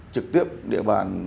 trực tiếp địa bàn